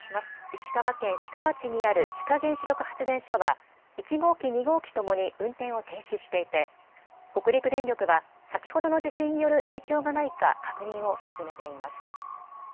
石川県志賀町にある志賀原子力発電所は１号機、２号機ともに運転を停止していて北陸電力は先ほどの地震による影響がないか確認を進めています。